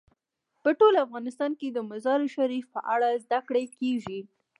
په ټول افغانستان کې د مزارشریف په اړه زده کړه کېږي.